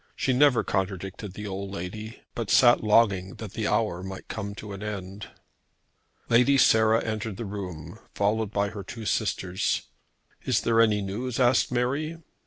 She never contradicted the old lady, but sat longing that the hour might come to an end. Lady Sarah entered the room, followed by her two sisters. "Is there any news?" asked Mary.